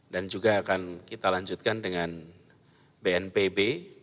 dan juga akan kita lanjutkan dengan bnpb